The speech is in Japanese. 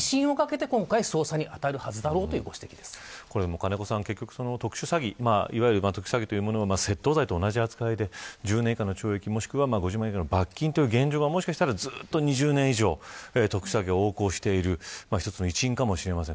金子さん、結局、特殊詐欺というものは窃盗罪と同じ扱いで１０年以下の懲役、もしくは５０万円以下の罰金という現状がもしかしたら、ずっと２０年以上特殊詐欺が横行している一つの一因かもしれません。